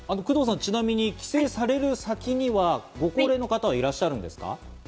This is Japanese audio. ちなみに帰省される先にご高齢の方はいらっしゃるんですか？